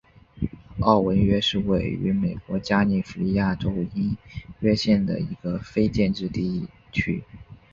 奥文约是位于美国加利福尼亚州因约县的一个非建制地区。